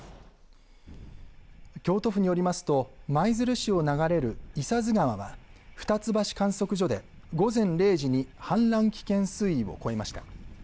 京都府によりますと舞鶴市を流れる伊佐津川は二ツ橋観測所で午前０時に氾濫危険水位を超えました。